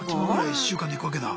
１週間でいくわけだ。